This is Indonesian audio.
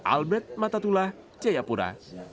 albert matatula jayapura